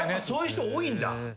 そういう人多いんだ。